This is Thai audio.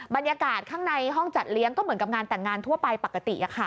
บรรยากาศข้างในห้องจัดเลี้ยงก็เหมือนกับงานแต่งงานทั่วไปปกติ